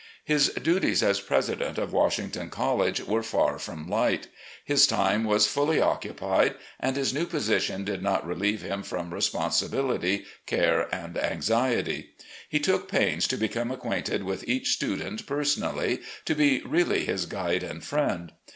His duties as president of Washington College were far from light. His time was fully occupied, and his new position did not relieve him from responsibility, care and anxiety. He took pains to become acquainted •with each student personally, to be really his guide and friend.